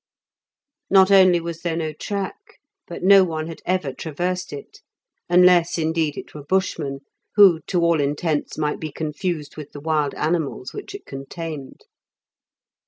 Not only was there no track, but no one had ever traversed it, unless, indeed, it were Bushmen, who to all intents might be confused with the wild animals which it contained.